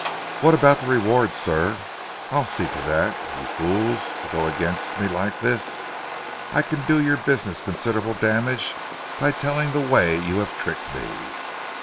"What about the reward sir?" "I'll see to that. You fools to go against me like this. I can do your business considerable damage by telling the way you have tricked me."